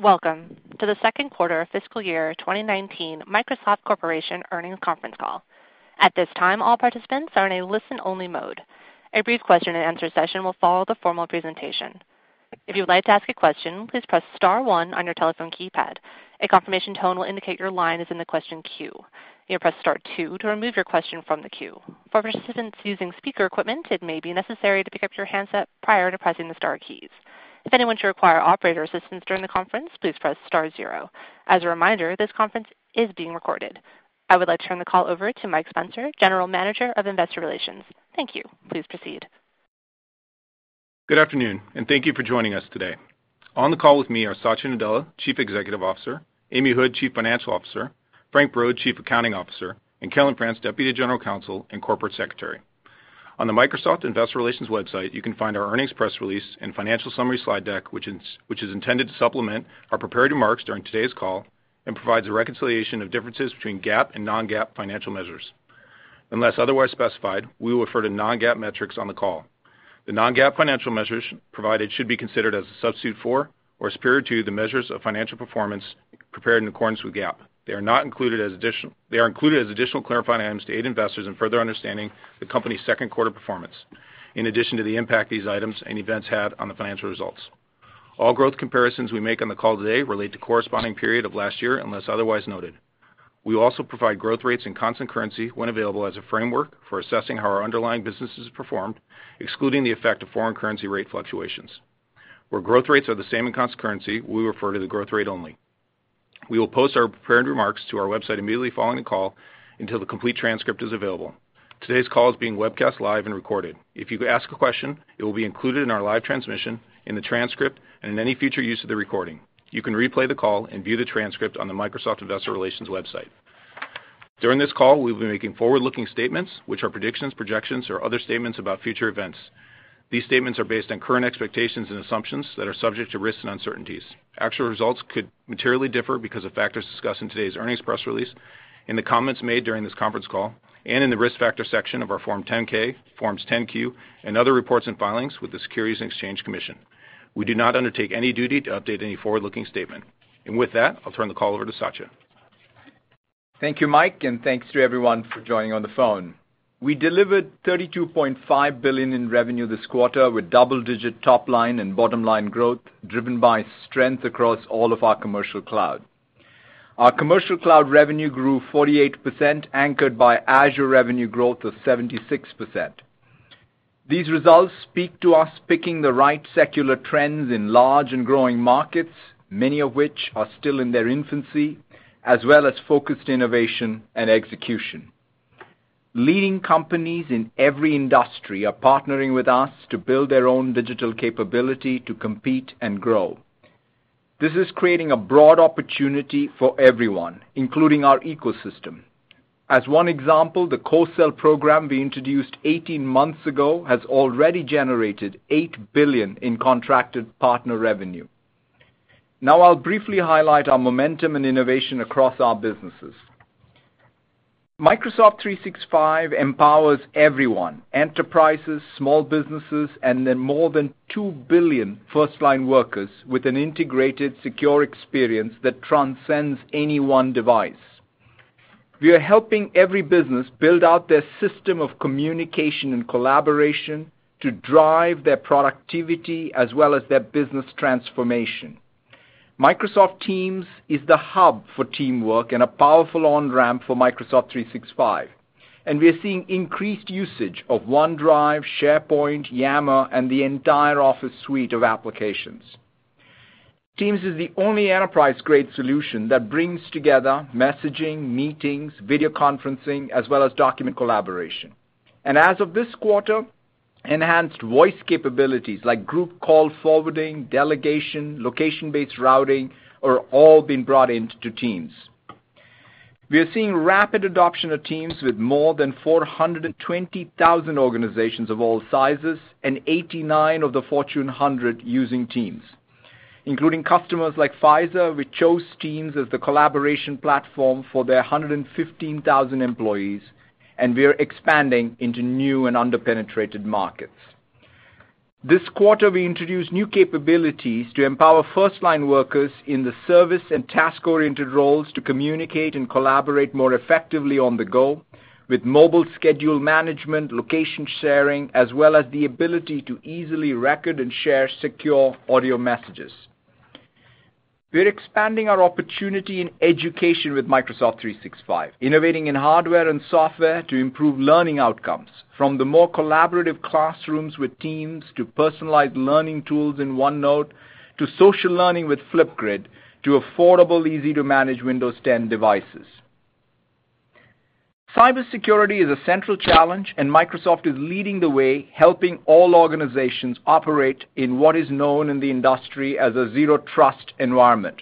Welcome to the Second Quarter Fiscal Year 2019 Microsoft Corporation Earnings Conference Call. I would like to turn the call over to Michael Spencer, General Manager of Investor Relations. Thank you. Please proceed. Good afternoon, and thank you for joining us today. On the call with me are Satya Nadella, Chief Executive Officer, Amy Hood, Chief Financial Officer, Frank Brod, Chief Accounting Officer, and Keith Dolliver, Deputy General Counsel and Corporate Secretary. On the Microsoft Investor Relations website, you can find our earnings press release and financial summary slide deck, which is intended to supplement our prepared remarks during today's call, and provides a reconciliation of differences between GAAP and non-GAAP financial measures. Unless otherwise specified, we will refer to non-GAAP metrics on the call. The non-GAAP financial measures provided should be considered as a substitute for or superior to the measures of financial performance prepared in accordance with GAAP. They are included as additional clarifying items to aid investors in further understanding the company's second quarter performance, in addition to the impact these items and events had on the financial results. All growth comparisons we make on the call today relate to corresponding period of last year, unless otherwise noted. We will also provide growth rates in constant currency when available as a framework for assessing how our underlying businesses performed, excluding the effect of foreign currency rate fluctuations. Where growth rates are the same in constant currency, we will refer to the growth rate only. We will post our prepared remarks to our website immediately following the call until the complete transcript is available. Today's call is being webcast live and recorded. If you ask a question, it will be included in our live transmission, in the transcript, and in any future use of the recording. You can replay the call and view the transcript on the Microsoft Investor Relations website. During this call, we will be making forward-looking statements, which are predictions, projections, or other statements about future events. These statements are based on current expectations and assumptions that are subject to risks and uncertainties. Actual results could materially differ because of factors discussed in today's earnings press release, in the comments made during this conference call, and in the Risk Factors section of our Form 10-K, Forms 10-Q, and other reports and filings with the Securities and Exchange Commission. We do not undertake any duty to update any forward-looking statement. With that, I'll turn the call over to Satya. Thank you, Mike, and thanks to everyone for joining on the phone. We delivered $32.5 billion in revenue this quarter with double-digit top line and bottom line growth, driven by strength across all of our commercial cloud. Our commercial cloud revenue grew 48%, anchored by Azure revenue growth of 76%. These results speak to us picking the right secular trends in large and growing markets, many of which are still in their infancy, as well as focused innovation and execution. Leading companies in every industry are partnering with us to build their own digital capability to compete and grow. This is creating a broad opportunity for everyone, including our ecosystem. As one example, the co-sell program we introduced 18 months ago has already generated $8 billion in contracted partner revenue. Now I'll briefly highlight our momentum and innovation across our businesses. Microsoft 365 empowers everyone, enterprises, small businesses, and then more than two billion firstline workers with an integrated secure experience that transcends any one device. We are helping every business build out their system of communication and collaboration to drive their productivity as well as their business transformation. Microsoft Teams is the hub for teamwork and a powerful on-ramp for Microsoft 365, We are seeing increased usage of OneDrive, SharePoint, Yammer, and the entire Office suite of applications. Teams is the only enterprise-grade solution that brings together messaging, meetings, video conferencing, as well as document collaboration. As of this quarter, enhanced voice capabilities like group call forwarding, delegation, location-based routing are all being brought into Teams. We are seeing rapid adoption of Microsoft Teams with more than 420,000 organizations of all sizes and 89 of the Fortune 100 using Microsoft Teams, including customers like Pfizer, which chose Microsoft Teams as the collaboration platform for their 115,000 employees. We are expanding into new and under-penetrated markets. This quarter, we introduced new capabilities to empower firstline workers in the service and task-oriented roles to communicate and collaborate more effectively on the go with mobile schedule management, location sharing, as well as the ability to easily record and share secure audio messages. We are expanding our opportunity in education with Microsoft 365, innovating in hardware and software to improve learning outcomes from the more collaborative classrooms with Teams, to personalized learning tools in OneNote, to social learning with Flipgrid, to affordable, easy-to-manage Windows 10 devices. Cybersecurity is a central challenge. Microsoft is leading the way, helping all organizations operate in what is known in the industry as a Zero Trust environment.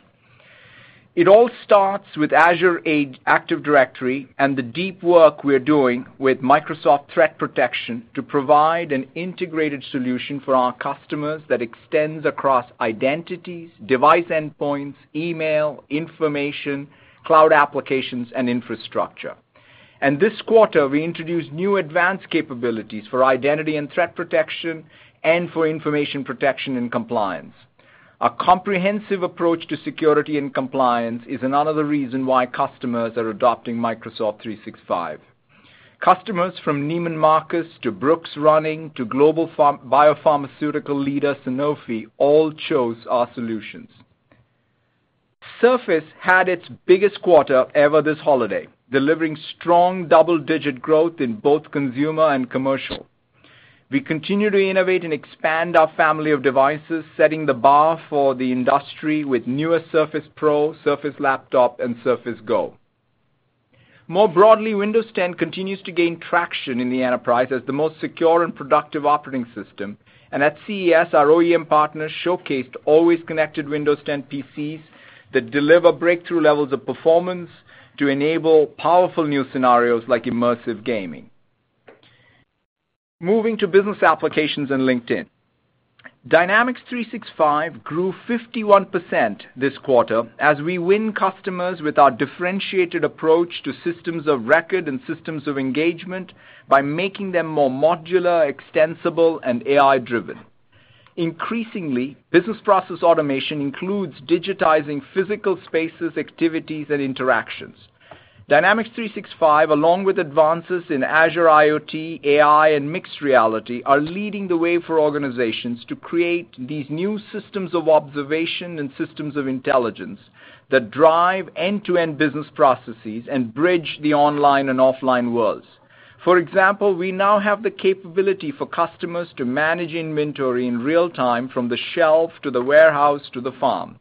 It all starts with Azure Active Directory and the deep work we're doing with Microsoft Threat Protection to provide an integrated solution for our customers that extends across identities, device endpoints, email, information, cloud applications and infrastructure. This quarter, we introduced new advanced capabilities for identity and threat protection and for information protection and compliance. Our comprehensive approach to security and compliance is another reason why customers are adopting Microsoft 365. Customers from Neiman Marcus to Brooks Running to global biopharmaceutical leader Sanofi all chose our solutions. Surface had its biggest quarter ever this holiday, delivering strong double-digit growth in both consumer and commercial. We continue to innovate and expand our family of devices, setting the bar for the industry with newer Surface Pro, Surface Laptop, and Surface Go. More broadly, Windows 10 continues to gain traction in the enterprise as the most secure and productive operating system. At CES, our OEM partners showcased always connected Windows 10 PCs that deliver breakthrough levels of performance to enable powerful new scenarios like immersive gaming. Moving to business applications and LinkedIn. Dynamics 365 grew 51% this quarter as we win customers with our differentiated approach to systems of record and systems of engagement by making them more modular, extensible, and AI-driven. Increasingly, business process automation includes digitizing physical spaces, activities, and interactions. Dynamics 365, along with advances in Azure IoT, AI, and mixed reality are leading the way for organizations to create these new systems of observation and systems of intelligence that drive end-to-end business processes and bridge the online and offline worlds. For example, we now have the capability for customers to manage inventory in real time from the shelf to the warehouse to the farm.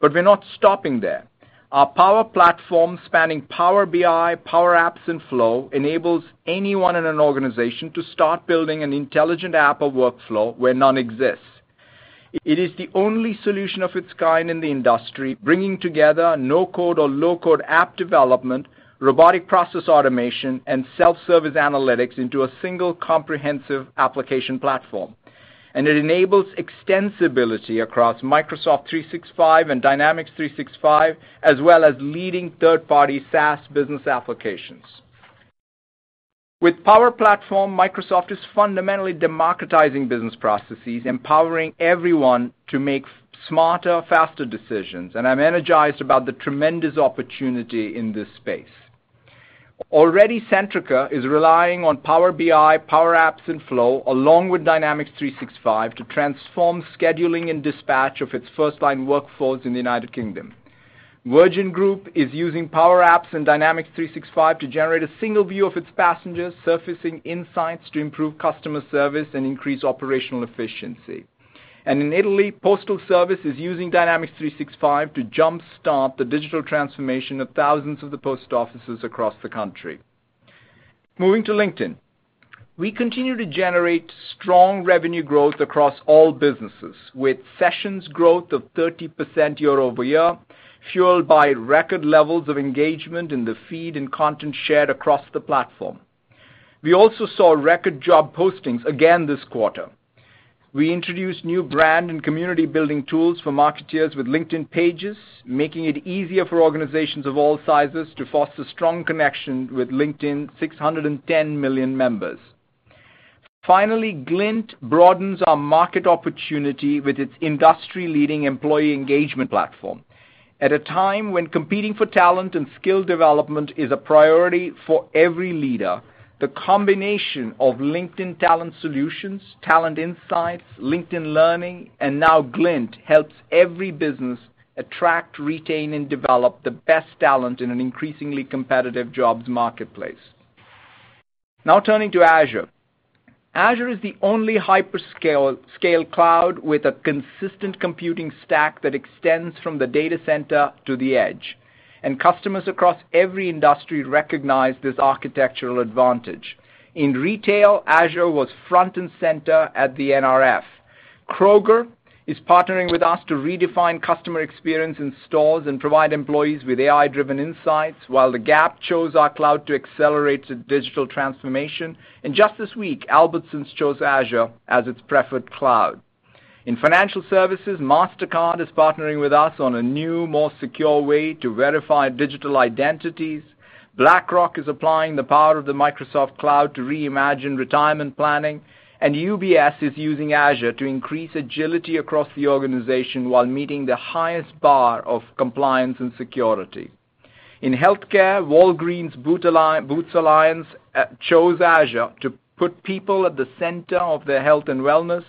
We're not stopping there. Our Power Platform spanning Power BI, Power Apps, and Flow enables anyone in an organization to start building an intelligent app or workflow where none exists. It is the only solution of its kind in the industry, bringing together no-code or low-code app development, robotic process automation, and self-service analytics into a single comprehensive application platform. It enables extensibility across Microsoft 365 and Dynamics 365, as well as leading third-party SaaS business applications. With Power Platform, Microsoft is fundamentally democratizing business processes, empowering everyone to make smarter, faster decisions, and I'm energized about the tremendous opportunity in this space. Already, Centrica is relying on Power BI, Power Apps, and Flow along with Dynamics 365 to transform scheduling and dispatch of its firstline workforce in the U.K. Virgin Group is using Power Apps and Dynamics 365 to generate a single view of its passengers surfacing insights to improve customer service and increase operational efficiency. In Italy, Postal Service is using Dynamics 365 to jump-start the digital transformation of thousands of the post offices across the country. Moving to LinkedIn. We continue to generate strong revenue growth across all businesses with sessions growth of 30% year-over-year, fueled by record levels of engagement in the feed and content shared across the platform. We also saw record job postings again this quarter. We introduced new brand and community building tools for marketers with LinkedIn Pages, making it easier for organizations of all sizes to foster strong connection with LinkedIn 610 million members. Finally, Glint broadens our market opportunity with its industry-leading employee engagement platform. At a time when competing for talent and skill development is a priority for every leader, the combination of LinkedIn Talent Solutions, Talent Insights, LinkedIn Learning, and now Glint helps every business attract, retain, and develop the best talent in an increasingly competitive jobs marketplace. Now turning to Azure. Azure is the only hyperscale, scale cloud with a consistent computing stack that extends from the data center to the edge. Customers across every industry recognize this architectural advantage. In retail, Azure was front and center at the NRF. Kroger is partnering with us to redefine customer experience in stores and provide employees with AI-driven insights. The Gap chose our cloud to accelerate its digital transformation. Just this week, Albertsons chose Azure as its preferred cloud. In financial services, Mastercard is partnering with us on a new, more secure way to verify digital identities. BlackRock is applying the power of the Microsoft Cloud to reimagine retirement planning. UBS is using Azure to increase agility across the organization while meeting the highest bar of compliance and security. In healthcare, Walgreens Boots Alliance chose Azure to put people at the center of their health and wellness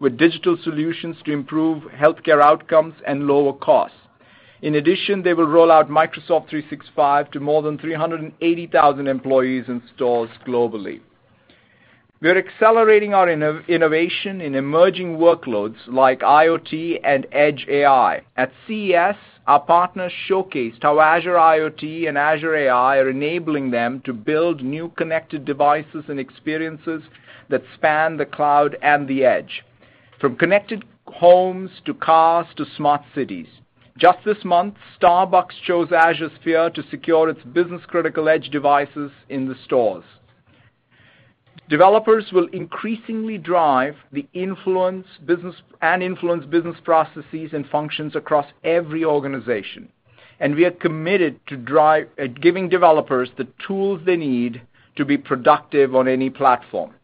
with digital solutions to improve healthcare outcomes and lower costs. In addition, they will roll out Microsoft 365 to more than 380,000 employees and stores globally. We're accelerating our innovation in emerging workloads like IoT and Edge AI. At CES, our partners showcased how Azure IoT and Azure AI are enabling them to build new connected devices and experiences that span the cloud and the edge from connected homes to cars to smart cities. Just this month, Starbucks chose Azure Sphere to secure its business-critical edge devices in the stores. Developers will increasingly influence business processes and functions across every organization, and we are committed to giving developers the tools they need to be productive on any platform.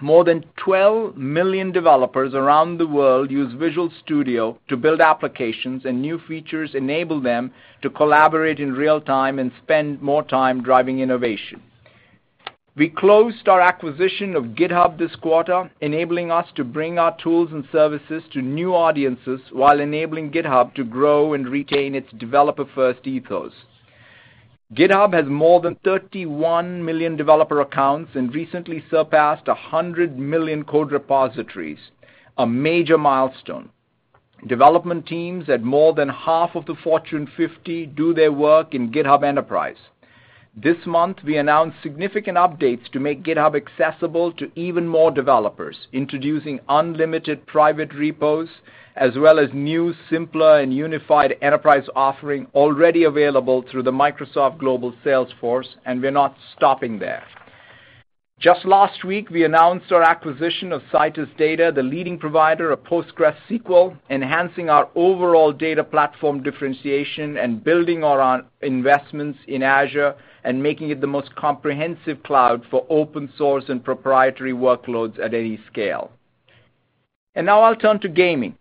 More than 12 million developers around the world use Visual Studio to build applications, new features enable them to collaborate in real time and spend more time driving innovation. We closed our acquisition of GitHub this quarter, enabling us to bring our tools and services to new audiences while enabling GitHub to grow and retain its developer-first ethos. GitHub has more than 31 million developer accounts and recently surpassed 100 million code repositories, a major milestone. Development teams at more than half of the Fortune 50 do their work in GitHub Enterprise. This month, we announced significant updates to make GitHub accessible to even more developers, introducing unlimited private repos as well as new, simpler, and unified enterprise offering already available through the Microsoft global sales force. We're not stopping there. Just last week, we announced our acquisition of Citus Data, the leading provider of PostgreSQL, enhancing our overall data platform differentiation and building on our investments in Azure and making it the most comprehensive cloud for open source and proprietary workloads at any scale. Now I'll turn to gaming.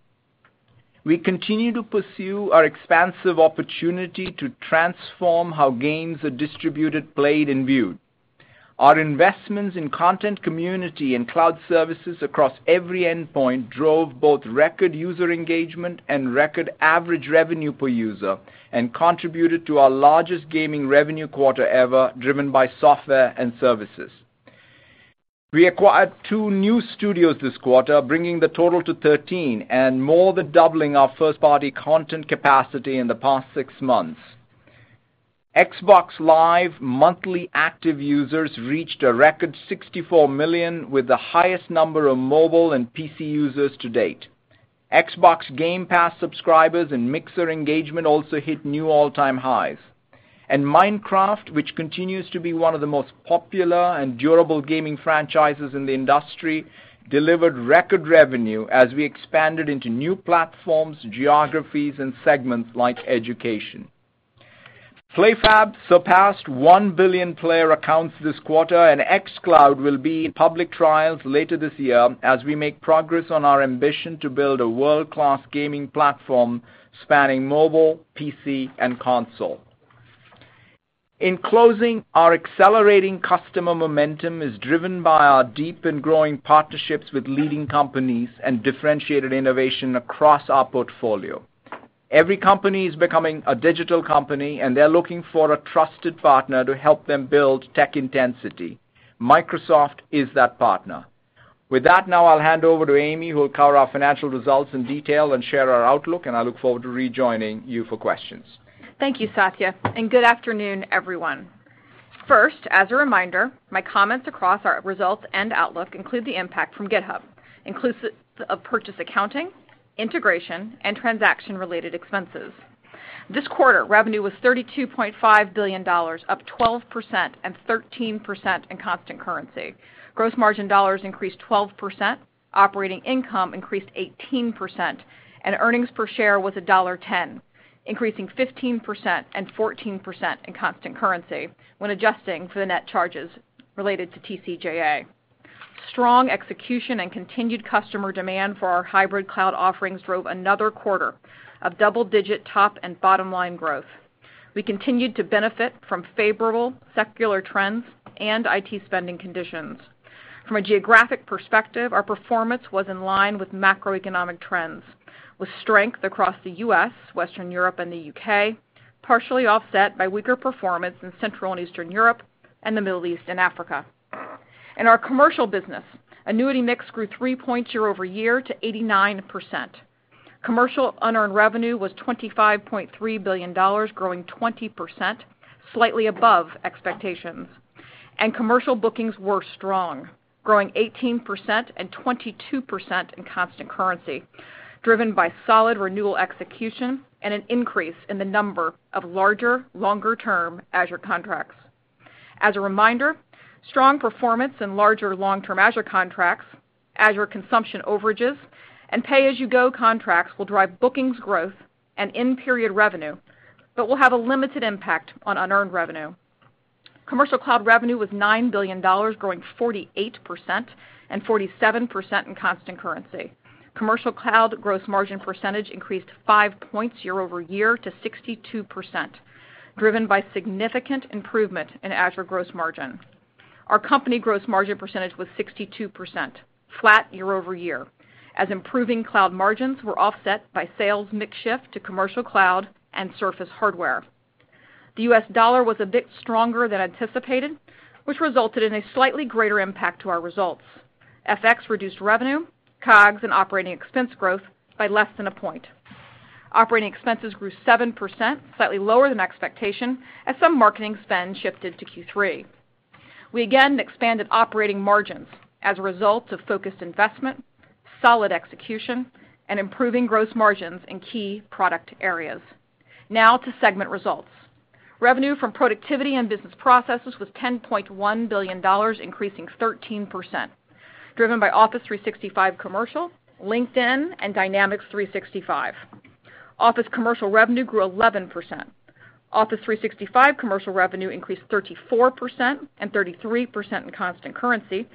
We continue to pursue our expansive opportunity to transform how games are distributed, played, and viewed. Our investments in content community and cloud services across every endpoint drove both record user engagement and record average revenue per user and contributed to our largest gaming revenue quarter ever, driven by software and services. We acquired two new studios this quarter, bringing the total to 13 and more than doubling our first-party content capacity in the past six months. Xbox Live monthly active users reached a record 64 million, with the highest number of mobile and PC users to date. Xbox Game Pass subscribers and Mixer engagement also hit new all-time highs. Minecraft, which continues to be one of the most popular and durable gaming franchises in the industry, delivered record revenue as we expanded into new platforms, geographies, and segments like education. PlayFab surpassed one billion player accounts this quarter. xCloud will be in public trials later this year as we make progress on our ambition to build a world-class gaming platform spanning mobile, PC, and console. In closing, our accelerating customer momentum is driven by our deep and growing partnerships with leading companies and differentiated innovation across our portfolio. Every company is becoming a digital company. They're looking for a trusted partner to help them build tech intensity. Microsoft is that partner. With that, now I'll hand over to Amy, who will cover our financial results in detail and share our outlook. I look forward to rejoining you for questions. Thank you, Satya, good afternoon, everyone. First, as a reminder, my comments across our results and outlook include the impact from GitHub, inclusive of purchase accounting, integration, and transaction-related expenses. This quarter, revenue was $32.5 billion, up 12% and 13% in constant currency. Gross margin dollars increased 12%, operating income increased 18%, and earnings per share was $1.10, increasing 15% and 14% in constant currency when adjusting for the net charges related to TCJA. Strong execution and continued customer demand for our hybrid cloud offerings drove another quarter of double-digit top and bottom-line growth. We continued to benefit from favorable secular trends and IT spending conditions. From a geographic perspective, our performance was in line with macroeconomic trends, with strength across the U.S., Western Europe, and the U.K., partially offset by weaker performance in Central and Eastern Europe and the Middle East and Africa. In our commercial business, annuity mix grew three points year-over-year to 89%. Commercial unearned revenue was $25.3 billion, growing 20%, slightly above expectations. Commercial bookings were strong, growing 18% and 22% in constant currency, driven by solid renewal execution and an increase in the number of larger, longer-term Azure contracts. As a reminder, strong performance in larger long-term Azure contracts, Azure consumption overages, and pay-as-you-go contracts will drive bookings growth and in-period revenue, but will have a limited impact on unearned revenue. Commercial cloud revenue was $9 billion, growing 48% and 47% in constant currency. Commercial cloud gross margin percentage increased 5 points year-over-year to 62%, driven by significant improvement in Azure gross margin. Our company gross margin percentage was 62%, flat year-over-year, as improving cloud margins were offset by sales mix shift to commercial cloud and Surface hardware. The US dollar was a bit stronger than anticipated, which resulted in a slightly greater impact to our results. FX reduced revenue, COGS, and operating expense growth by less than a point. Operating expenses grew 7%, slightly lower than expectation, as some marketing spend shifted to Q3. We again expanded operating margins as a result of focused investment, solid execution, and improving gross margins in key product areas. Now to segment results. Revenue from productivity and business processes was $10.1 billion, increasing 13%, driven by Office 365 Commercial, LinkedIn, and Dynamics 365. Office Commercial revenue grew 11%. Office 365 Commercial revenue increased 34% and 33% in constant currency,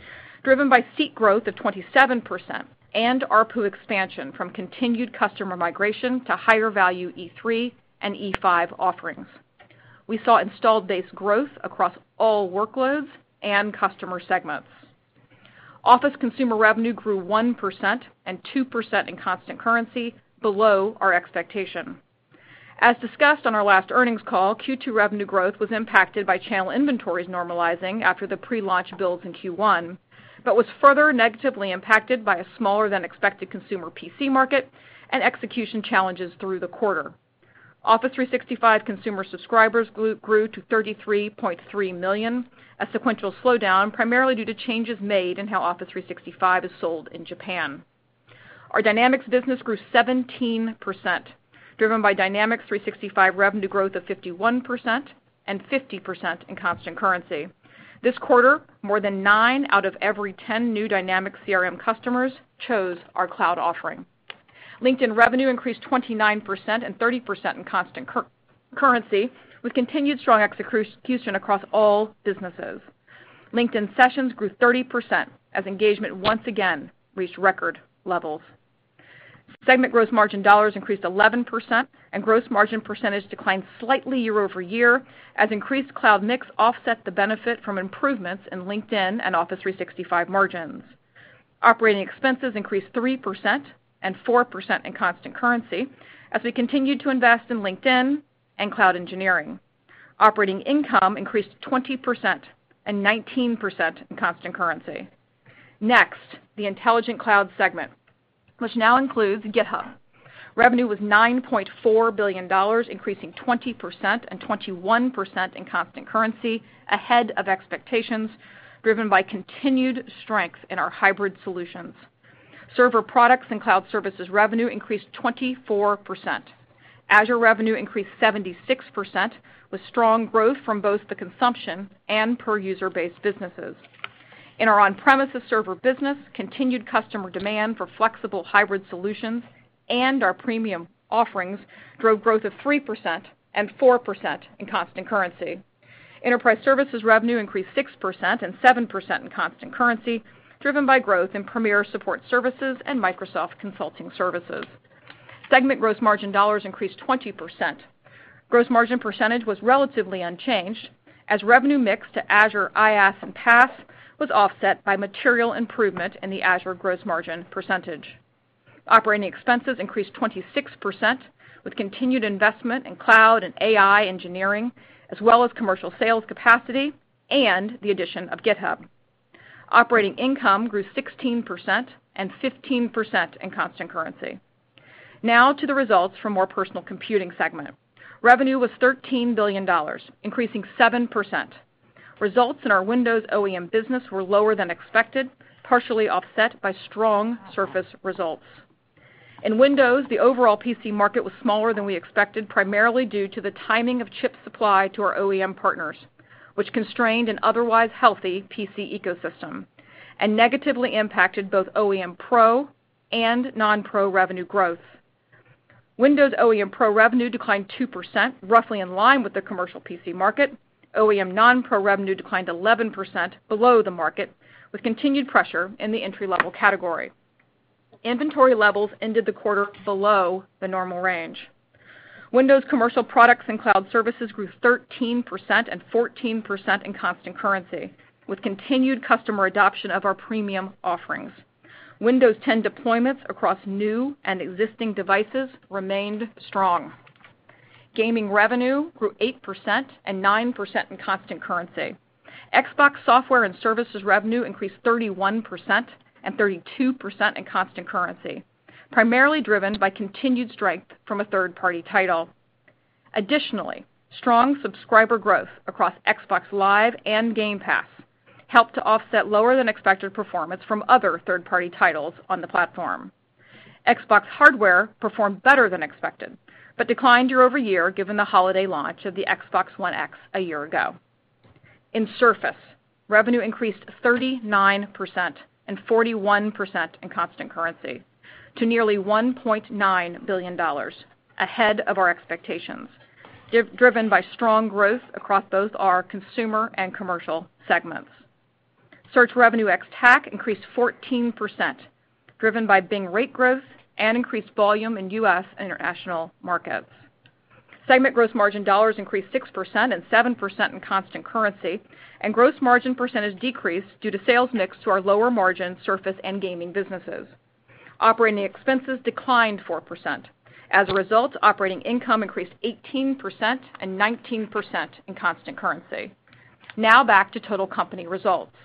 driven by seat growth of 27% and ARPU expansion from continued customer migration to higher value E3 and E5 offerings. We saw installed base growth across all workloads and customer segments. Office Consumer revenue grew 1% and 2% in constant currency below our expectation. As discussed on our last earnings call, Q2 revenue growth was impacted by channel inventories normalizing after the pre-launch builds in Q1, but was further negatively impacted by a smaller than expected consumer PC market and execution challenges through the quarter. Office 365 consumer subscribers grew to 33.3 million, a sequential slowdown, primarily due to changes made in how Office 365 is sold in Japan. Our Dynamics business grew 17%, driven by Dynamics 365 revenue growth of 51% and 50% in constant currency. This quarter, more than nine out of every 10 new Dynamics CRM customers chose our cloud offering. LinkedIn revenue increased 29% and 30% in constant currency, with continued strong execution across all businesses. LinkedIn sessions grew 30% as engagement once again reached record levels. Segment gross margin dollars increased 11% and gross margin percentage declined slightly year-over-year as increased cloud mix offset the benefit from improvements in LinkedIn and Office 365 margins. Operating expenses increased 3% and 4% in constant currency as we continued to invest in LinkedIn and cloud engineering. Operating income increased 20% and 19% in constant currency. The Intelligent Cloud segment, which now includes GitHub. Revenue was $9.4 billion, increasing 20% and 21% in constant currency, ahead of expectations, driven by continued strength in our hybrid solutions. Server products and cloud services revenue increased 24%. Azure revenue increased 76%, with strong growth from both the consumption and per user-based businesses. In our on-premises server business, continued customer demand for flexible hybrid solutions and our premium offerings drove growth of 3% and 4% in constant currency. Enterprise services revenue increased 6% and 7% in constant currency, driven by growth in Premier Support Services and Microsoft Consulting Services. Segment gross margin dollars increased 20%. Gross margin percentage was relatively unchanged as revenue mix to Azure IaaS and PaaS was offset by material improvement in the Azure gross margin percentage. Operating expenses increased 26% with continued investment in cloud and AI engineering, as well as commercial sales capacity and the addition of GitHub. Operating income grew 16% and 15% in constant currency. To the results for More Personal Computing segment. Revenue was $13 billion, increasing 7%. Results in our Windows OEM business were lower than expected, partially offset by strong Surface results. In Windows, the overall PC market was smaller than we expected, primarily due to the timing of chip supply to our OEM partners, which constrained an otherwise healthy PC ecosystem and negatively impacted both OEM Pro and non-Pro revenue growth. Windows OEM Pro revenue declined 2%, roughly in line with the commercial PC market. OEM non-Pro revenue declined 11% below the market, with continued pressure in the entry-level category. Inventory levels ended the quarter below the normal range. Windows commercial products and cloud services grew 13% and 14% in constant currency, with continued customer adoption of our premium offerings. Windows 10 deployments across new and existing devices remained strong. Gaming revenue grew 8% and 9% in constant currency. Xbox software and services revenue increased 31% and 32% in constant currency, primarily driven by continued strength from a third-party title. Additionally, strong subscriber growth across Xbox Live and Game Pass helped to offset lower than expected performance from other third-party titles on the platform. Xbox hardware performed better than expected, but declined year-over-year given the holiday launch of the Xbox One X a year ago. In Surface, revenue increased 39% and 41% in constant currency to nearly $1.9 billion ahead of our expectations, driven by strong growth across both our consumer and commercial segments. Search revenue ex-TAC increased 14%, driven by Bing rate growth and increased volume in U.S. and international markets. Segment gross margin dollars increased 6% and 7% in constant currency, and gross margin percentage decreased due to sales mix to our lower margin Surface and gaming businesses. Operating expenses declined 4%. As a result, operating income increased 18% and 19% in constant currency. Now back to total company results.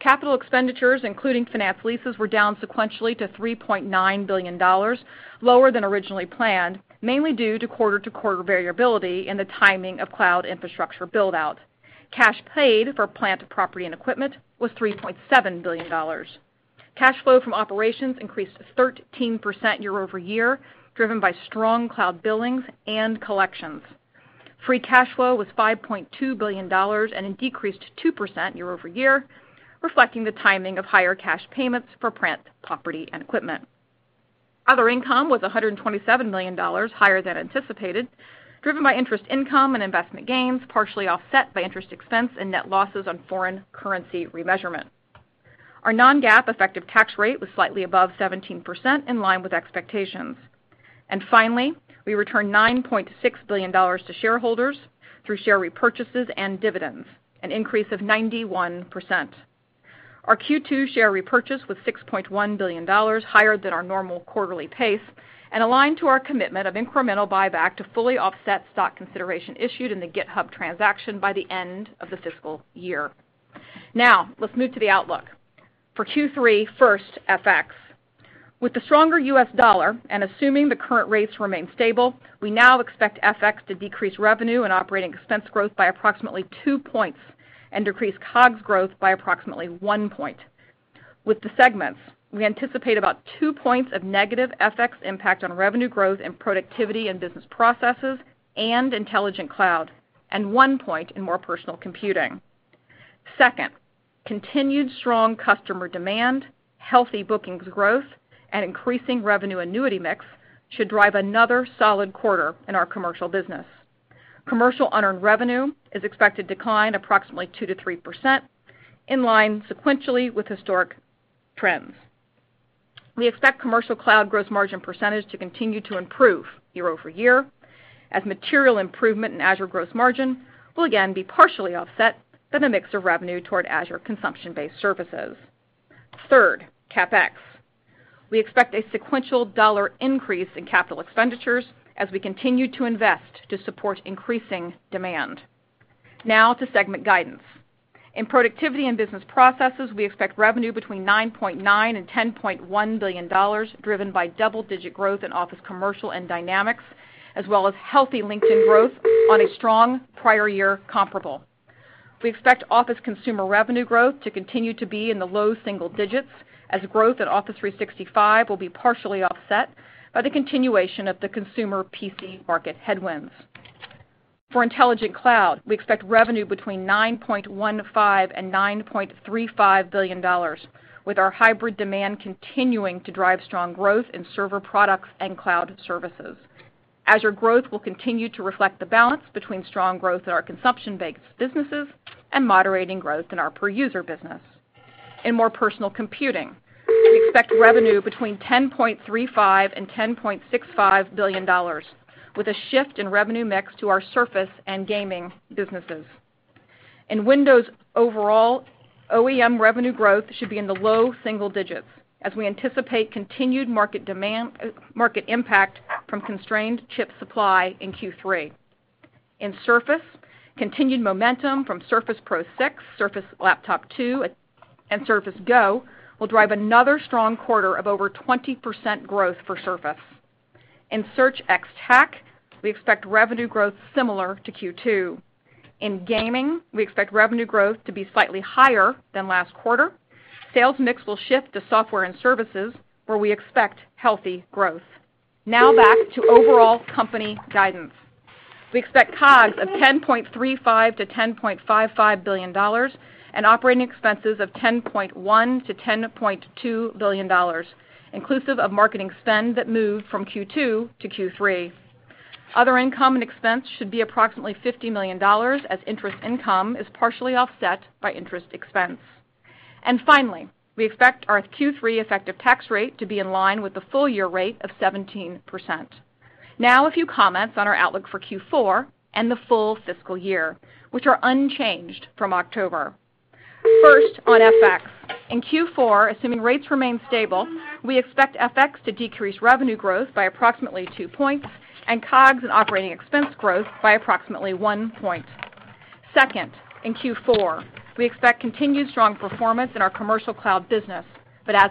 Capital expenditures, including finance leases, were down sequentially to $3.9 billion, lower than originally planned, mainly due to quarter-to-quarter variability in the timing of cloud infrastructure build-out. Cash paid for plant property and equipment was $3.7 billion. Cash flow from operations increased 13% year-over-year, driven by strong cloud billings and collections. Free cash flow was $5.2 billion and it decreased 2% year-over-year, reflecting the timing of higher cash payments for plant property and equipment. Other income was $127 million higher than anticipated, driven by interest income and investment gains, partially offset by interest expense and net losses on foreign currency remeasurement. Our non-GAAP effective tax rate was slightly above 17% in line with expectations. Finally, we returned $9.6 billion to shareholders through share repurchases and dividends, an increase of 91%. Our Q2 share repurchase was $6.1 billion, higher than our normal quarterly pace, and aligned to our commitment of incremental buyback to fully offset stock consideration issued in the GitHub transaction by the end of the fiscal year. Let's move to the outlook. For Q3, first, FX. With the stronger US dollar and assuming the current rates remain stable, we now expect FX to decrease revenue and operating expense growth by approximately two points and decrease COGS growth by approximately one point. With the segments, we anticipate about two points of negative FX impact on revenue growth and Productivity and Business Processes and Intelligent Cloud, and one point in More Personal Computing. Second, continued strong customer demand, healthy bookings growth, and increasing revenue annuity mix should drive another solid quarter in our commercial business. Commercial unearned revenue is expected to decline approximately 2%-3% in line sequentially with historic trends. We expect commercial cloud gross margin percentage to continue to improve year-over-year as material improvement in Azure gross margin will again be partially offset by the mix of revenue toward Azure consumption-based services. Third, CapEx. We expect a sequential dollar increase in capital expenditures as we continue to invest to support increasing demand. To segment guidance. In Productivity and Business Processes, we expect revenue between $9.9 billion and $10.1 billion, driven by double-digit growth in Office Commercial and Dynamics, as well as healthy LinkedIn growth on a strong prior year-comparable. We expect Office Consumer revenue growth to continue to be in the low single digits as growth at Office 365 will be partially offset by the continuation of the consumer PC market headwinds. For Intelligent Cloud, we expect revenue between $9.15 billion-$9.35 billion, with our hybrid demand continuing to drive strong growth in server products and cloud services. Azure growth will continue to reflect the balance between strong growth in our consumption-based businesses and moderating growth in our per-user business. In More Personal Computing, we expect revenue between $10.35 billion-$10.65 billion with a shift in revenue mix to our Surface and gaming businesses. In Windows overall, OEM revenue growth should be in the low single digits as we anticipate continued market impact from constrained chip supply in Q3. In Surface, continued momentum from Surface Pro 6, Surface Laptop 2, and Surface Go will drive another strong quarter of over 20% growth for Surface. In Search ex-TAC, we expect revenue growth similar to Q2.In gaming, we expect revenue growth to be slightly higher than last quarter. Sales mix will shift to software and services, where we expect healthy growth. Back to overall company guidance. We expect COGS of $10.35 billion-$10.55 billion and operating expenses of $10.1 billion-$10.2 billion, inclusive of marketing spend that moved from Q2-Q3. Other income and expense should be approximately $50 million, as interest income is partially offset by interest expense. Finally, we expect our Q3 effective tax rate to be in line with the full year rate of 17%. A few comments on our outlook for Q4 and the full fiscal year, which are unchanged from October. First, on FX. In Q4, assuming rates remain stable, we expect FX to decrease revenue growth by approximately two points and COGS and operating expense growth by approximately one point. As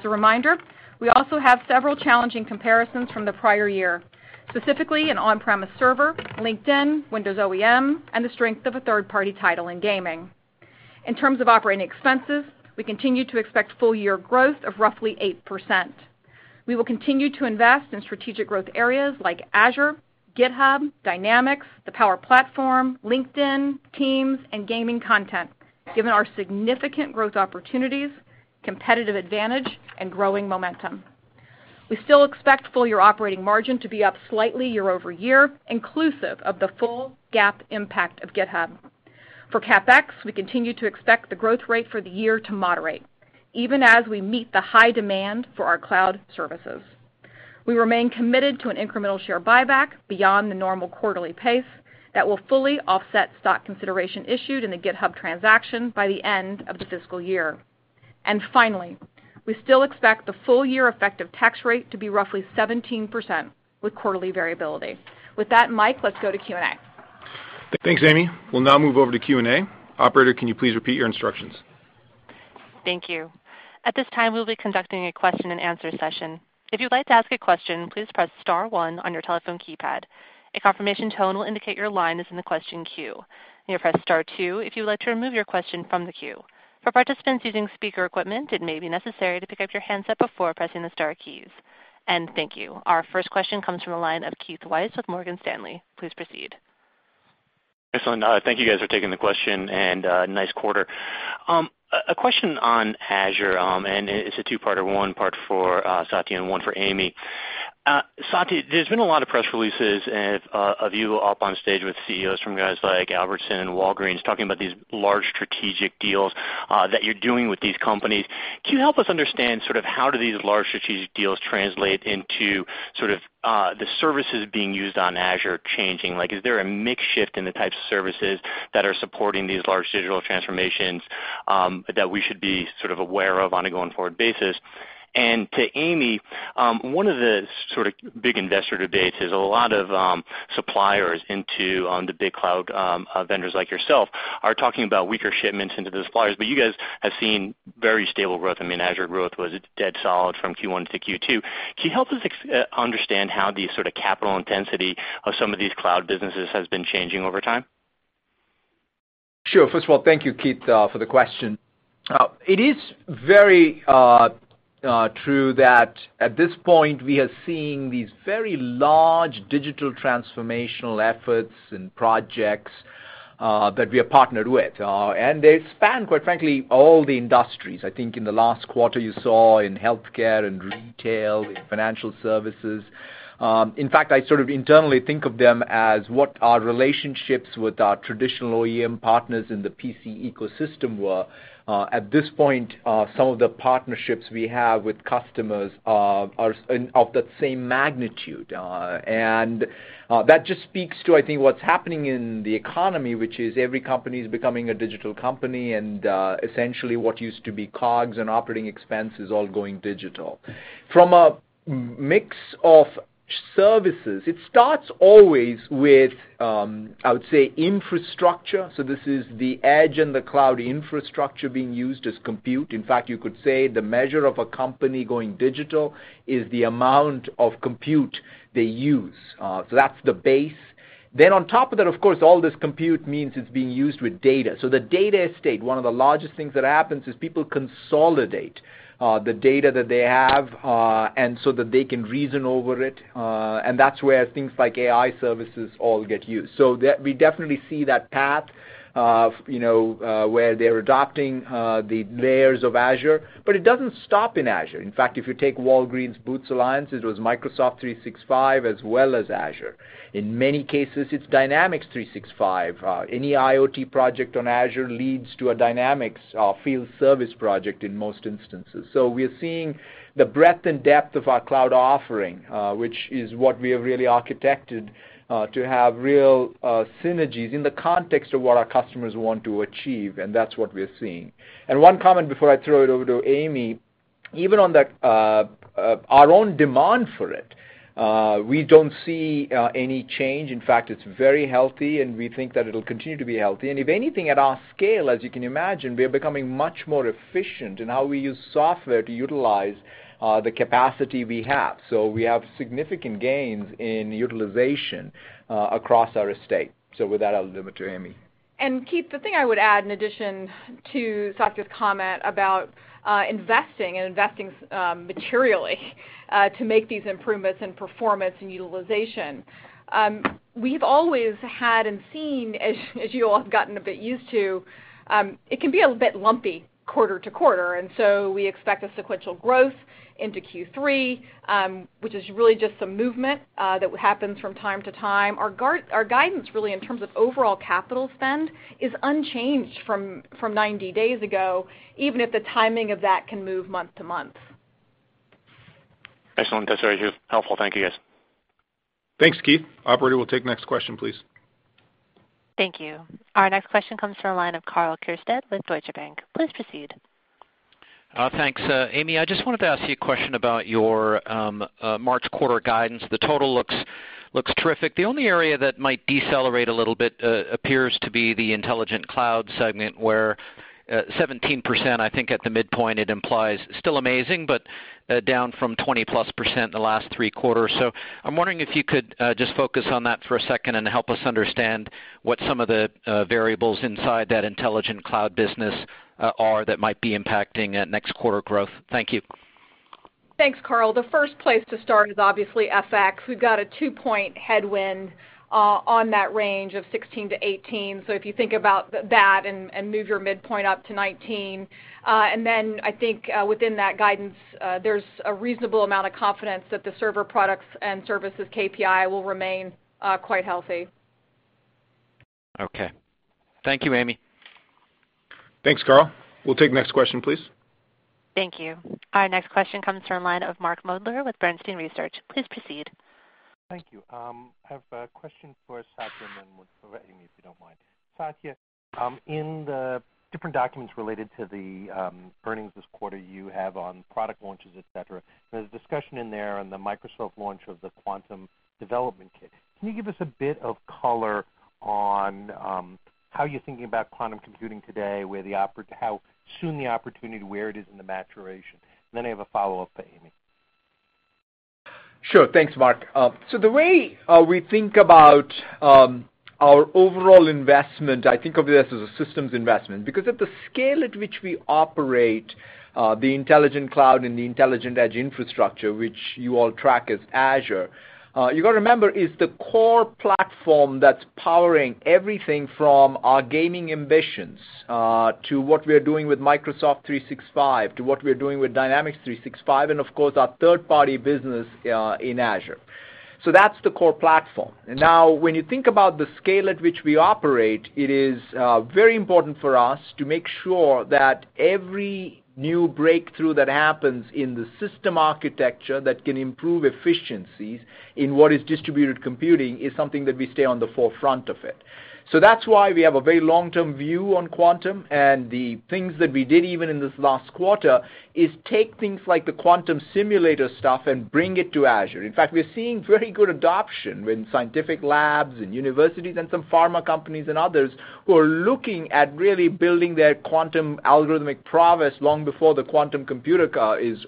a reminder, we also have several challenging comparisons from the prior year, specifically in on-premise server, LinkedIn, Windows OEM, and the strength of a third-party title in gaming. In terms of operating expenses, we continue to expect full year growth of roughly 8%. We will continue to invest in strategic growth areas like Azure, GitHub, Dynamics, the Power Platform, LinkedIn, Teams, and gaming content, given our significant growth opportunities, competitive advantage, and growing momentum. We still expect full year operating margin to be up slightly year over year, inclusive of the full GAAP impact of GitHub. For CapEx, we continue to expect the growth rate for the year to moderate, even as we meet the high demand for our cloud services. We remain committed to an incremental share buyback beyond the normal quarterly pace that will fully offset stock consideration issued in the GitHub transaction by the end of the fiscal year. Finally, we still expect the full year effective tax rate to be roughly 17% with quarterly variability. With that, Mike, let's go to Q&A. Thanks, Amy. We'll now move over to Q&A. Operator, can you please repeat your instructions? Thank you. Our first question comes from the line of Keith Weiss with Morgan Stanley. Please proceed. Excellent. Thank you guys for taking the question, and nice quarter. A question on Azure, and it's a two-parter, one part for Satya and one for Amy. Satya, there's been a lot of press releases and of you up on stage with CEOs from guys like Albertsons and Walgreens talking about these large strategic deals, that you're doing with these companies. Can you help us understand sort of how do these large strategic deals translate into sort of the services being used on Azure changing? Like, is there a mix shift in the types of services that are supporting these large digital transformations, that we should be sort of aware of on a going forward basis? To Amy, one of the sort of big investor debates is a lot of suppliers into, on the big cloud vendors like yourself are talking about weaker shipments into the suppliers, but you guys have seen very stable growth. I mean, Azure growth was dead solid from Q1 -Q2. Can you help us understand how the sort of capital intensity of some of these cloud businesses has been changing over time? Sure. First of all, thank you, Keith, for the question. It is very true that at this point we are seeing these very large digital transformational efforts and projects that we are partnered with. They span, quite frankly, all the industries. I think in the last quarter you saw in healthcare and retail, in financial services. In fact, I sort of internally think of them as what our relationships with our traditional OEM partners in the PC ecosystem were. At this point, some of the partnerships we have with customers are of that same magnitude. That just speaks to, I think, what's happening in the economy, which is every company is becoming a digital company, and essentially what used to be COGS and operating expenses all going digital. From a mix of services, it starts always with, I would say infrastructure, so this is the edge and the cloud infrastructure being used as compute. In fact, you could say the measure of a company going digital is the amount of compute they use. That's the base. On top of that, of course, all this compute means it's being used with data. The data estate, one of the largest things that happens is people consolidate the data that they have and so that they can reason over it and that's where things like AI services all get used. We definitely see that path, you know, where they're adopting the layers of Azure. It doesn't stop in Azure. In fact, if you take Walgreens Boots Alliance, it was Microsoft 365 as well as Azure. In many cases, it's Dynamics 365. Any IoT project on Azure leads to a Dynamics field service project in most instances. We're seeing the breadth and depth of our cloud offering, which is what we have really architected to have real synergies in the context of what our customers want to achieve, and that's what we're seeing. One comment before I throw it over to Amy. Even on that, our own demand for it, we don't see any change. In fact, it's very healthy, and we think that it'll continue to be healthy. If anything, at our scale, as you can imagine, we are becoming much more efficient in how we use software to utilize the capacity we have. We have significant gains in utilization across our estate. With that, I'll leave it to Amy. And Keith, the thing I would add in addition to Satya's comment about investing and investing materially to make these improvements in performance and utilization, we've always had and seen, as you all have gotten a bit used to, it can be a bit lumpy quarter to quarter. We expect a sequential growth into Q3, which is really just some movement that happens from time to time. Our guidance really in terms of overall capital spend is unchanged from 90 days ago, even if the timing of that can move month-to-month. Excellent. That's very helpful. Thank you, guys. Thanks, Keith. Operator, we'll take next question, please. Thank you. Our next question comes from the line of Karl Keirstead with Deutsche Bank. Please proceed. Thanks. Amy, I just wanted to ask you a question about your March quarter guidance. The total looks terrific. The only area that might decelerate a little bit appears to be the Intelligent Cloud segment, where 17%, I think at the midpoint it implies still amazing, but down from 20%+ the last three quarters. I'm wondering if you could just focus on that for a second and help us understand what some of the variables inside that Intelligent Cloud business are that might be impacting next quarter growth. Thank you. Thanks, Karl. The first place to start is obviously FX. We've got a two-point headwind on that range of 16-18. If you think about that and move your midpoint up to 19. I think within that guidance, there's a reasonable amount of confidence that the server products and services KPI will remain quite healthy. Okay. Thank you, Amy. Thanks, Karl. We'll take next question, please. Thank you. Our next question comes from line of Mark Moerdler with Bernstein Research. Please proceed. Thank you. I have a question for Satya, and then one for Amy, if you don't mind. Satya, in the different documents related to the earnings this quarter you have on product launches, et cetera, there's a discussion in there on the Microsoft launch of the Microsoft Quantum Development Kit. Can you give us a bit of color on how you're thinking about quantum computing today, where how soon the opportunity, where it is in the maturation? I have a follow-up for Amy. Sure. Thanks, Mark.The way we think about our overall investment, I think of this as a systems investment because at the scale at which we operate, the intelligent cloud and the intelligent edge infrastructure, which you all track as Azure, you gotta remember is the core platform that's powering everything from our gaming ambitions, to what we are doing with Microsoft 365, to what we are doing with Dynamics 365, and of course, our third-party business in Azure. That's the core platform. When you think about the scale at which we operate, it is very important for us to make sure that every new breakthrough that happens in the system architecture that can improve efficiencies in what is distributed computing is something that we stay on the forefront of it. That's why we have a very long-term view on Quantum, and the things that we did even in this last quarter is take things like the Quantum simulator stuff and bring it to Azure. In fact, we are seeing very good adoption in scientific labs and universities and some pharma companies and others who are looking at really building their Quantum algorithmic prowess long before the Quantum computer [car] is,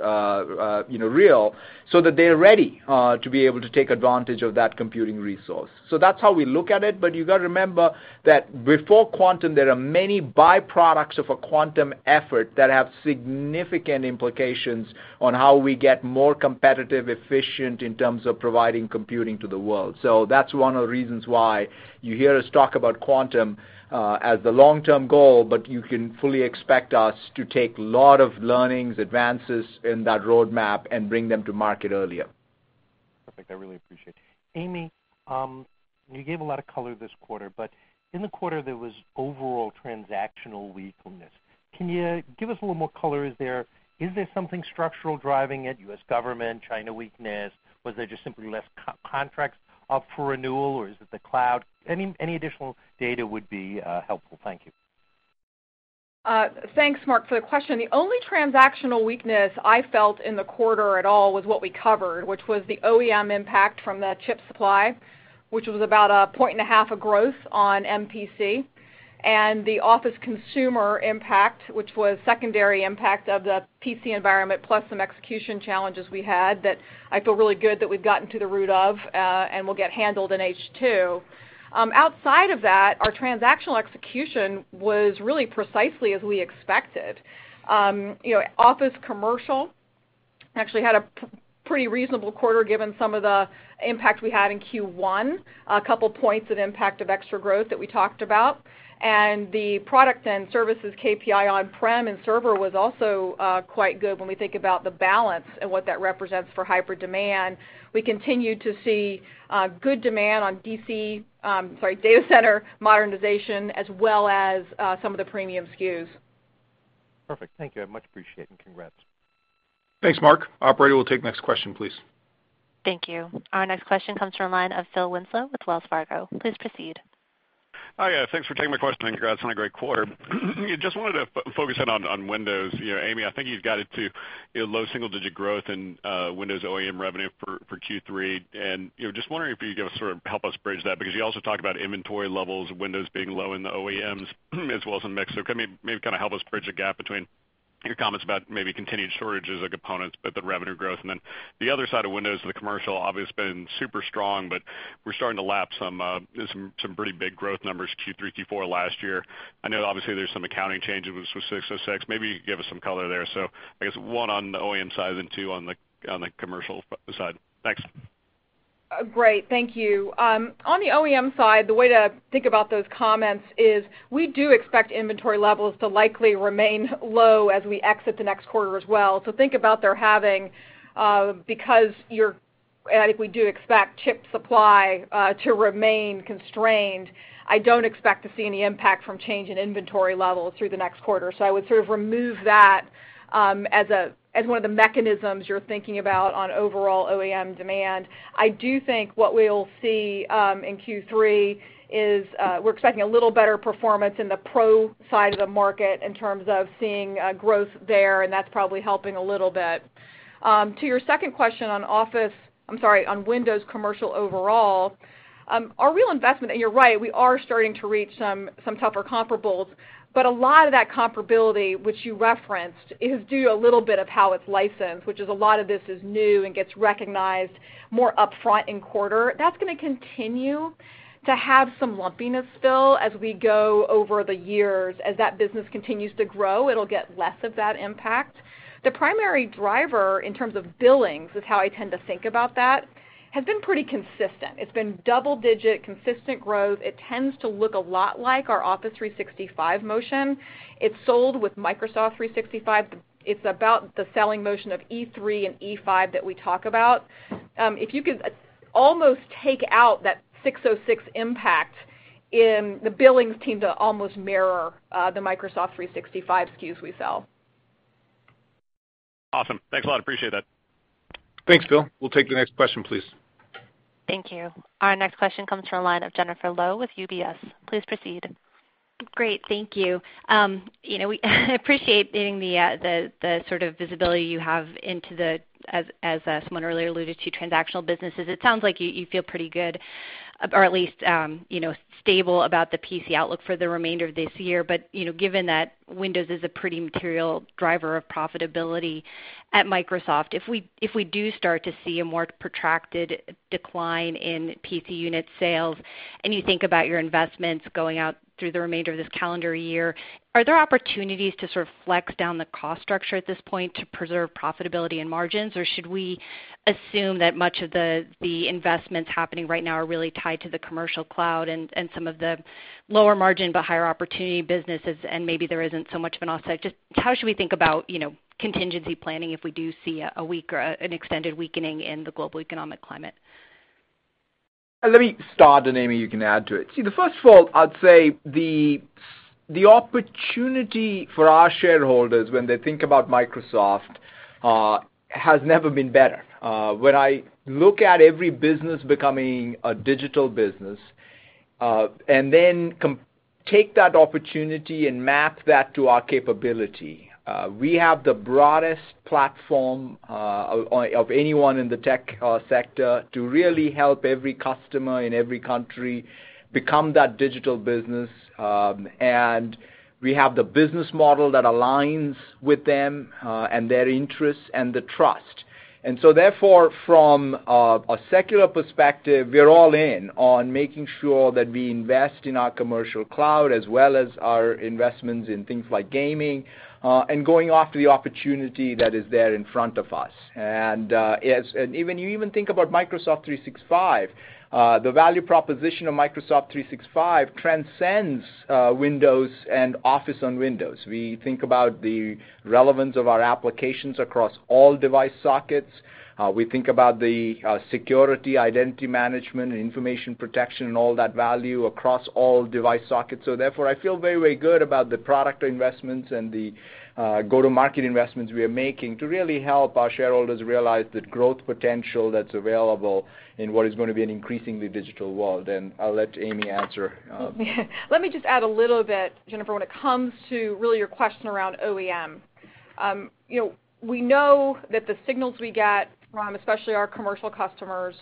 you know, real, so that they're ready to be able to take advantage of that computing resource. That's how we look at it, but you gotta remember that before Quantum, there are many byproducts of a Quantum effort that have significant implications on how we get more competitive, efficient in terms of providing computing to the world. That's one of the reasons why you hear us talk about Quantum as the long-term goal, but you can fully expect us to take lot of learnings, advances in that roadmap and bring them to market earlier. Perfect. I really appreciate. Amy, you gave a lot of color this quarter, but in the quarter, there was overall transactional weakness. Can you give us a little more color? Is there something structural driving it, U.S. government, China weakness? Was there just simply less co-contracts up for renewal, or is it the cloud? Any additional data would be helpful. Thank you. Thanks, Mark, for the question. The only transactional weakness I felt in the quarter at all was what we covered, which was the OEM impact from the chip supply, which was about 1.5 points of growth on MPC, and the Office consumer impact, which was secondary impact of the PC environment, plus some execution challenges we had that I feel really good that we've gotten to the root of, and will get handled in H2. Outside of that, our transactional execution was really precisely as we expected. You know, Office commercial actually had a pretty reasonable quarter given some of the impact we had in Q1, a couple points of impact of extra growth that we talked about. The product and services KPI on-prem and server was also quite good when we think about the balance and what that represents for hyper demand. We continue to see good demand on DC, sorry, data center modernization, as well as some of the premium SKUs. Perfect. Thank you. I much appreciate and congrats. Thanks, Mark. Operator, we'll take next question, please. Thank you. Our next question comes from line of Phil Winslow with Wells Fargo. Please proceed. Oh, yeah, thanks for taking my question and congrats on a great quarter. Just wanted to focus in on Windows. You know, Amy, I think you've got it to, you know, low single-digit growth in Windows OEM revenue for Q3. You know, just wondering if you could give us sort of, help us bridge that because you also talk about inventory levels of Windows being low in the OEMs as well as in mix. Can maybe kinda help us bridge the gap between your comments about maybe continued shortages of components but the revenue growth. The other side of Windows, the commercial obviously been super strong, but we're starting to lap some pretty big growth numbers Q3, Q4 last year. I know obviously there's some accounting changes with 606. Maybe you could give us some color there. I guess one, on the OEM side, and two, on the commercial side. Thanks. Great. Thank you. On the OEM side, the way to think about those comments is we do expect inventory levels to likely remain low as we exit the next quarter as well. Think about there having, I think we do expect chip supply to remain constrained, I don't expect to see any impact from change in inventory levels through the next quarter. I would sort of remove that as a, as one of the mechanisms you're thinking about on overall OEM demand. I do think what we'll see in Q3 is we're expecting a little better performance in the pro side of the market in terms of seeing growth there, and that's probably helping a little bit. To your second question on Office, I'm sorry, on Windows commercial overall, our real investment, and you're right, we are starting to reach some tougher comparables. A lot of that comparability, which you referenced, is due a little bit of how it's licensed, which is a lot of this is new and gets recognized more upfront in quarter. That's gonna continue to have some lumpiness still as we go over the years. As that business continues to grow, it'll get less of that impact. The primary driver in terms of billings, is how I tend to think about that, has been pretty consistent. It's been double-digit, consistent growth. It tends to look a lot like our Office 365 motion. It's sold with Microsoft 365. It's about the selling motion of E3 and E5 that we talk about. If you could almost take out that 606 impact in the billings stream to almost mirror the Microsoft 365 SKUs we sell. Awesome. Thanks a lot. Appreciate that. Thanks, Phil. We'll take the next question, please. Thank you. Our next question comes from the line of Jennifer Lowe with UBS. Please proceed. Great. Thank you. you know, we appreciate getting the sort of visibility you have into the, as, someone earlier alluded to, transactional businesses. It sounds like you feel pretty good. At least, you know, stable about the PC outlook for the remainder of this year. You know, given that Windows is a pretty material driver of profitability at Microsoft, if we, if we do start to see a more protracted decline in PC unit sales and you think about your investments going out through the remainder of this calendar year, are there opportunities to sort of flex down the cost structure at this point to preserve profitability and margins? Should we assume that much of the investments happening right now are really tied to the commercial cloud and some of the lower margin but higher opportunity businesses, and maybe there isn't so much of an offset? Just how should we think about, you know, contingency planning if we do see a weaker, an extended weakening in the global economic climate? Let me start, and Amy, you can add to it. The first of all, I'd say the opportunity for our shareholders when they think about Microsoft has never been better. When I look at every business becoming a digital business, and then take that opportunity and map that to our capability, we have the broadest platform of anyone in the tech sector to really help every customer in every country become that digital business. We have the business model that aligns with them, and their interests and the trust. And so therefore, from a secular perspective, we're all in on making sure that we invest in our commercial cloud as well as our investments in things like gaming, and going after the opportunity that is there in front of us. You even think about Microsoft 365, the value proposition of Microsoft 365 transcends Windows and Office on Windows. We think about the relevance of our applications across all device sockets. We think about the security, identity management, information protection, and all that value across all device sockets. Therefore, I feel very, very good about the product investments and the go-to-market investments we are making to really help our shareholders realize the growth potential that's available in what is going to be an increasingly digital world. I'll let Amy answer. Let me just add a little bit, Jennifer, when it comes to really your question around OEM. You know, we know that the signals we get from especially our commercial customers,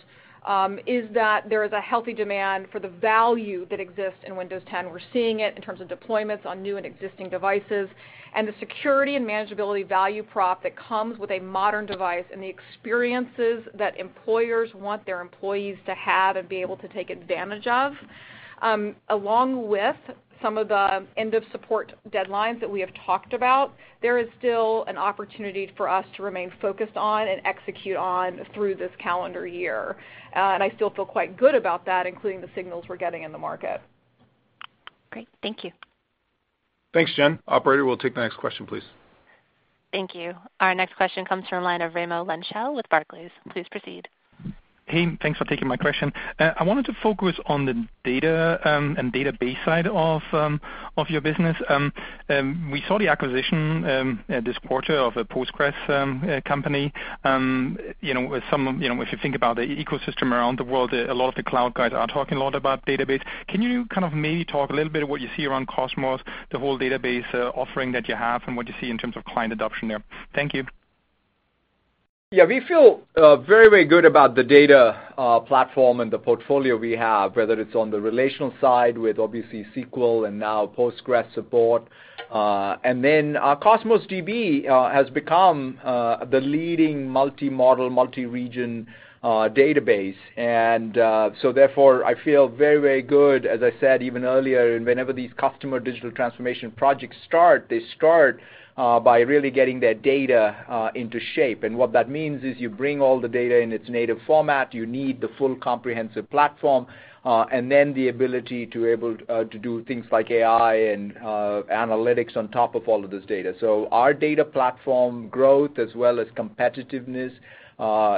is that there is a healthy demand for the value that exists in Windows 10. We're seeing it in terms of deployments on new and existing devices and the security and manageability value prop that comes with a modern device and the experiences that employers want their employees to have and be able to take advantage of. Along with some of the end of support deadlines that we have talked about, there is still an opportunity for us to remain focused on and execute on through this calendar year. I still feel quite good about that, including the signals we're getting in the market. Great. Thank you. Thanks, Jen. Operator, we'll take the next question, please. Thank you. Our next question comes from line of Raimo Lenschow with Barclays. Please proceed. Hey, thanks for taking my question. I wanted to focus on the data and database side of your business. We saw the acquisition this quarter of a PostgreSQL company. You know, some of, you know, if you think about the ecosystem around the world, a lot of the cloud guys are talking a lot about database. Can you kind of maybe talk a little bit of what you see around Cosmos, the whole database offering that you have, and what you see in terms of client adoption there? Thank you. We feel very, very good about the data platform and the portfolio we have, whether it's on the relational side with obviously SQL and now Postgres support. Then Cosmos DB has become the leading multi-model, multi-region database. Therefore, I feel very, very good, as I said even earlier, and whenever these customer digital transformation projects start, they start by really getting their data into shape. What that means is you bring all the data in its native format, you need the full comprehensive platform, and then the ability to able to do things like AI and analytics on top of all of this data. Our data platform growth as well as competitiveness,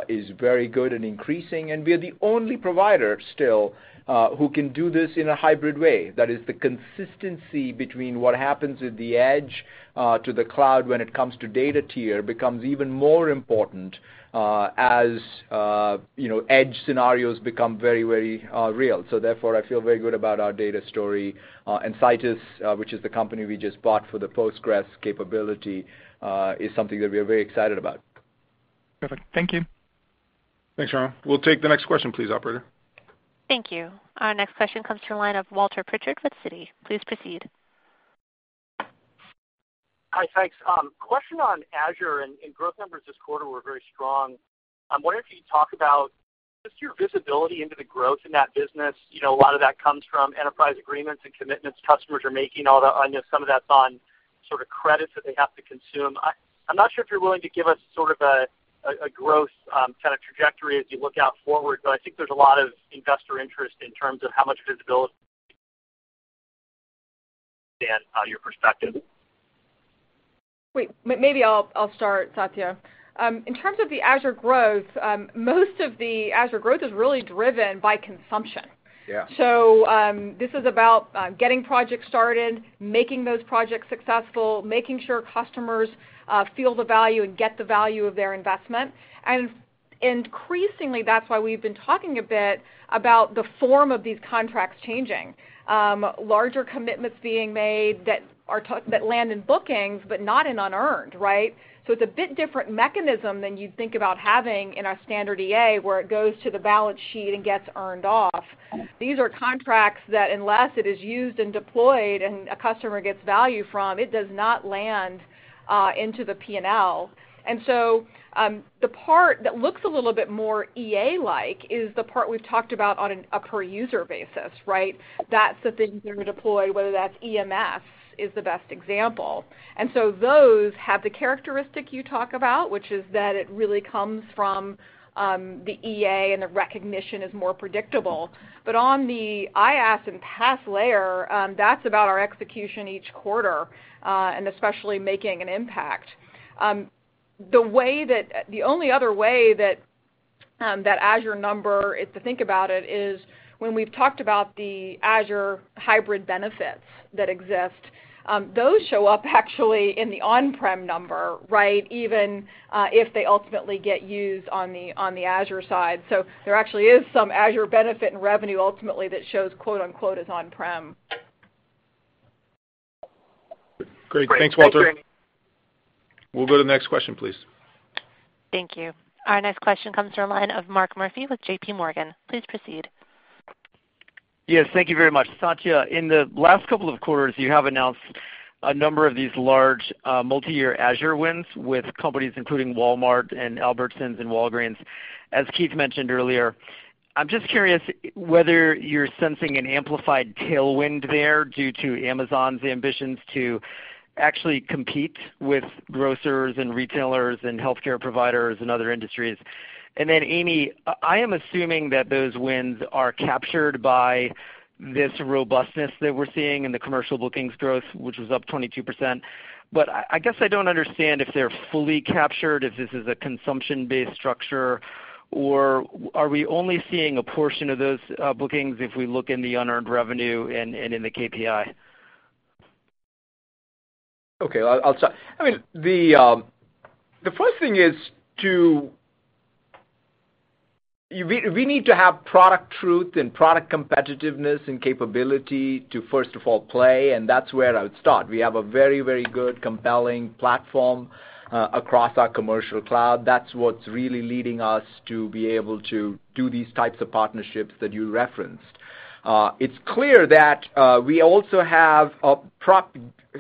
is very good and increasing, and we are the only provider still, who can do this in a hybrid way. That is the consistency between what happens at the edge, to the cloud when it comes to data tier becomes even more important, as, you know, edge scenarios become very real. Therefore, I feel very good about our data story. Citus, which is the company we just bought for the PostgreSQL capability, is something that we're very excited about. Perfect. Thank you. Thanks, Raimo. We'll take the next question please, operator. Thank you. Our next question comes to the line of Walter Pritchard with Citi. Please proceed. Hi, thanks. Question on Azure and growth numbers this quarter were very strong. I'm wondering if you could talk about just your visibility into the growth in that business. You know, a lot of that comes from enterprise agreements and commitments customers are making, although I know some of that's on sort of credits that they have to consume. I'm not sure if you're willing to give us sort of a growth kind of trajectory as you look out forward, but I think there's a lot of investor interest in terms of how much visibility and your perspective. Wait, Maybe I'll start, Satya. In terms of the Azure growth, most of the Azure growth is really driven by consumption. Yeah. This is about getting projects started, making those projects successful, making sure customers feel the value and get the value of their investment. Increasingly, that's why we've been talking a bit about the form of these contracts changing. Larger commitments being made that land in bookings, but not in unearned, right? It's a bit different mechanism than you'd think about having in our standard EA, where it goes to the balance sheet and gets earned off. These are contracts that unless it is used and deployed and a customer gets value from, it does not land into the P&L. The part that looks a little bit more EA-like is the part we've talked about on a per user basis, right? That's the things that are deployed, whether that's EMS, is the best example. Those have the characteristic you talk about, which is that it really comes from the EA and the recognition is more predictable. On the IaaS and PaaS layer, that's about our execution each quarter and especially making an impact. The only other way that Azure number, if to think about it, is when we've talked about the Azure Hybrid Benefits that exist, those show up actually in the on-prem number, right? Even if they ultimately get used on the Azure side. There actually is some Azure benefit and revenue ultimately that shows quote-unquote, "as on-prem". Great. Thanks, Walter. Great. Thanks, Amy. We'll go to the next question, please. Thank you. Our next question comes from a line of Mark Murphy with JPMorgan. Please proceed. Yes, thank you very much. Satya, in the last couple of quarters, you have announced a number of these large, multi-year Azure wins with companies including Walmart and Albertsons and Walgreens. As Keith mentioned earlier, I'm just curious whether you're sensing an amplified tailwind there due to Amazon's ambitions to actually compete with grocers and retailers and healthcare providers and other industries. Then Amy, I am assuming that those wins are captured by this robustness that we're seeing in the commercial bookings growth, which was up 22%. I guess I don't understand if they're fully captured, if this is a consumption-based structure or are we only seeing a portion of those bookings if we look in the unearned revenue and in the KPI? Okay. I'll start. I mean, the first thing is to we need to have product truth and product competitiveness and capability to first of all play. That's where I would start. We have a very good compelling platform across our commercial cloud. That's what's really leading us to be able to do these types of partnerships that you referenced. It's clear that we also have a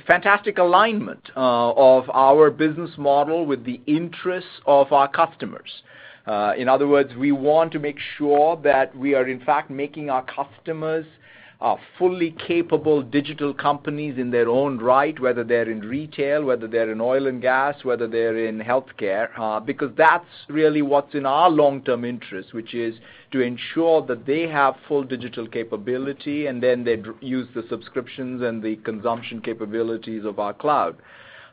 fantastic alignment of our business model with the interests of our customers. In other words, we want to make sure that we are in fact making our customers fully capable digital companies in their own right, whether they're in retail, whether they're in oil and gas, whether they're in healthcare, because that's really what's in our long-term interest, which is to ensure that they have full digital capability, and then they use the subscriptions and the consumption capabilities of our cloud.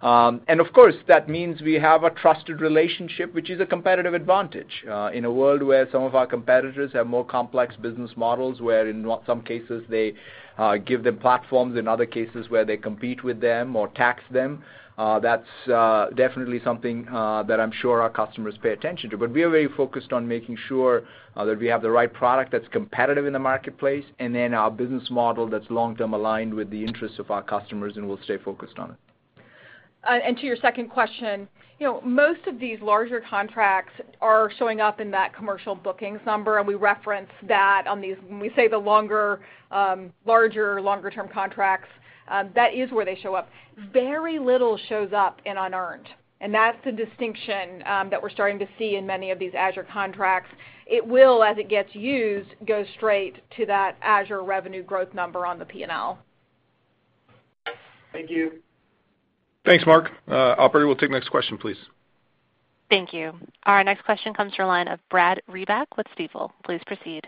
Of course, that means we have a trusted relationship, which is a competitive advantage, in a world where some of our competitors have more complex business models, where in not some cases they give them platforms, in other cases where they compete with them or tax them, that's definitely something that I'm sure our customers pay attention to. We are very focused on making sure that we have the right product that's competitive in the marketplace, our business model that's long-term aligned with the interests of our customers, and we'll stay focused on it. To your second question, you know, most of these larger contracts are showing up in that commercial bookings number, and we reference that on these. When we say the larger, longer term contracts, that is where they show up. Very little shows up in unearned, and that's the distinction that we're starting to see in many of these Azure contracts. It will, as it gets used, go straight to that Azure revenue growth number on the P&L. Thank you. Thanks, Mark. Operator, we'll take the next question, please. Thank you. Our next question comes from line of Brad Reback with Stifel. Please proceed.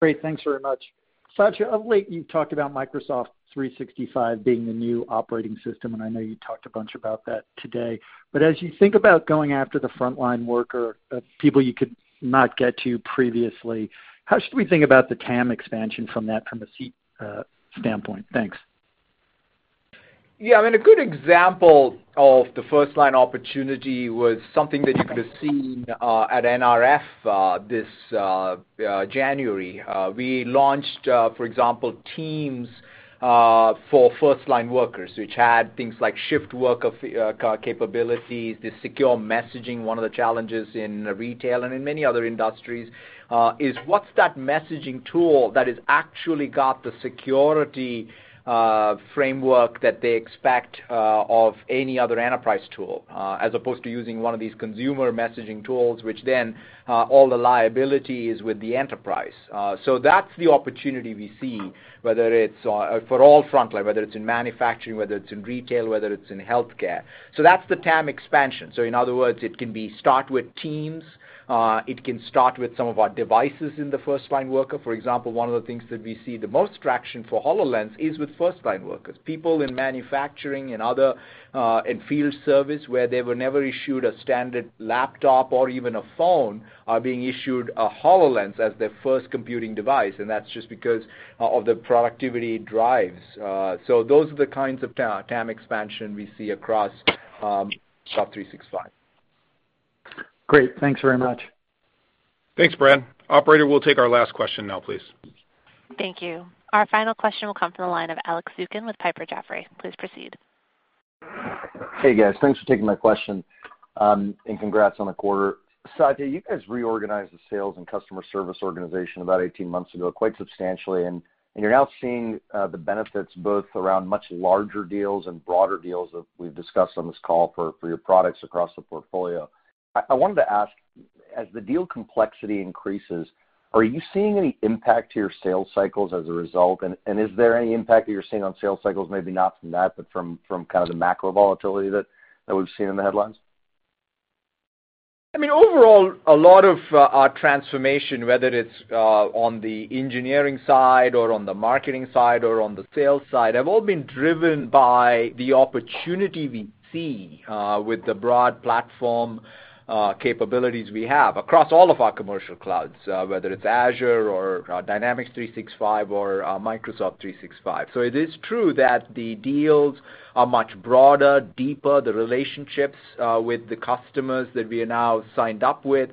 Great. Thanks very much. Satya, of late, you talked about Microsoft 365 being the new operating system, I know you talked a bunch about that today. As you think about going after the frontline worker, people you could not get to previously, how should we think about the TAM expansion from that from a seat standpoint? Thanks. Yeah, I mean, a good example of the first-line opportunity was something that you could have seen at NRF this January. We launched, for example, Teams for first-line workers, which had things like shift work capabilities, the secure messaging. One of the challenges in retail and in many other industries is what's that messaging tool that has actually got the security framework that they expect of any other enterprise tool, as opposed to using 1 of these consumer messaging tools, which then all the liability is with the enterprise. That's the opportunity we see, whether it's for all first-line, whether it's in manufacturing, whether it's in retail, whether it's in healthcare. That's the TAM expansion. In other words, it can be start with Teams, it can start with some of our devices in the first-line worker. For example, one of the things that we see the most traction for HoloLens is with first-line workers. People in manufacturing and other and field service where they were never issued a standard laptop or even a phone are being issued a HoloLens as their first computing device, and that's just because of the productivity it drives. Those are the kinds of TAM expansion we see across Microsoft 365. Great. Thanks very much. Thanks, Brad. Operator, we'll take our last question now, please. Thank you. Our final question will come from the line of Alex Zukin with Piper Jaffray. Please proceed. Hey, guys. Thanks for taking my question, and congrats on the quarter. Satya, you guys reorganized the sales and customer service organization about 18 months ago quite substantially, and you're now seeing the benefits both around much larger deals and broader deals that we've discussed on this call for your products across the portfolio. I wanted to ask, as the deal complexity increases, are you seeing any impact to your sales cycles as a result? Is there any impact that you're seeing on sales cycles, maybe not from that, but from kind of the macro volatility that we've seen in the headlines? I mean, overall, a lot of our transformation, whether it's on the engineering side or on the marketing side or on the sales side, have all been driven by the opportunity we see with the broad platform capabilities we have across all of our commercial clouds, whether it's Azure or Dynamics 365 or Microsoft 365. It is true that the deals are much broader, deeper. The relationships with the customers that we are now signed up with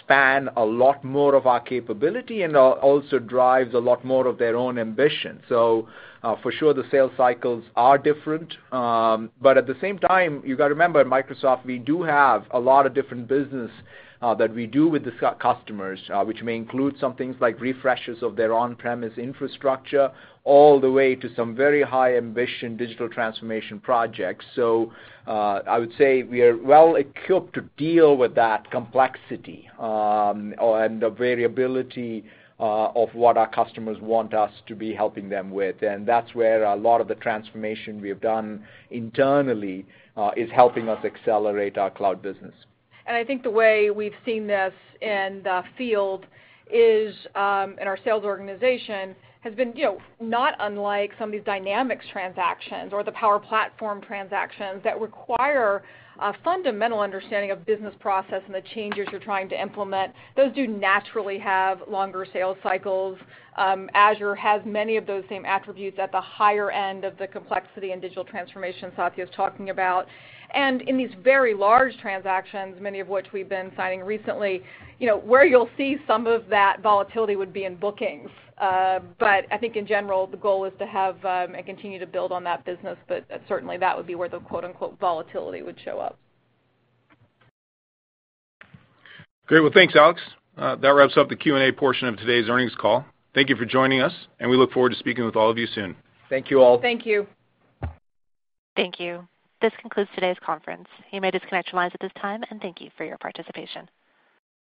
span a lot more of our capability and also drives a lot more of their own ambition. For sure the sales cycles are different. At the same time, you gotta remember at Microsoft we do have a lot of different business that we do with the customers, which may include some things like refreshes of their on-premise infrastructure all the way to some very high ambition digital transformation projects. I would say we are well equipped to deal with that complexity, or, and the variability of what our customers want us to be helping them with. That's where a lot of the transformation we have done internally is helping us accelerate our cloud business. I think the way we've seen this in the field is, in our sales organization has been, you know, not unlike some of these Dynamics transactions or the Power Platform transactions that require a fundamental understanding of business process and the changes you're trying to implement. Those do naturally have longer sales cycles. Azure has many of those same attributes at the higher end of the complexity and digital transformation Satya's talking about. In these very large transactions, many of which we've been signing recently, you know, where you'll see some of that volatility would be in bookings. But I think in general, the goal is to have and continue to build on that business, but certainly that would be where the, quote-unquote, volatility would show up. Great. Well, thanks, Alex. That wraps up the Q&A portion of today's earnings call. Thank you for joining us. We look forward to speaking with all of you soon. Thank you all. Thank you. Thank you. This concludes today's conference. You may disconnect your lines at this time, and thank you for your participation.